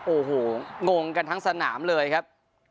โอ้โหงงกันทั้งสนามเลยครับ